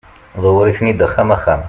ḍewwer-iten-d axxam axxam